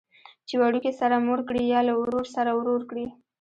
چې وړوکي سره مور کړي یا له ورور سره ورور کړي.